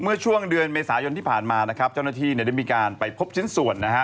เมื่อช่วงเดือนเมษายนที่ผ่านมานะครับเจ้าหน้าที่เนี่ยได้มีการไปพบชิ้นส่วนนะฮะ